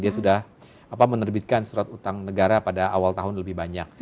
dia sudah menerbitkan surat utang negara pada awal tahun lebih banyak